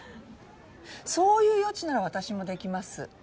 そういう予知なら私もできます。